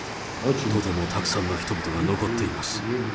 とてもたくさんの人々が残っています。